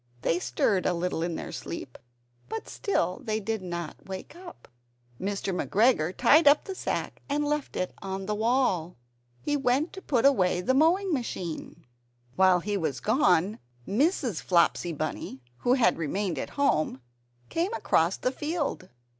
They stirred a little in their sleep, but still they did not wake up. Mr. McGregor tied up the sack and left it on the wall. He went to put away the mowing machine. While he was gone, Mrs. Flopsy Bunny (who had remained at home) came across the field.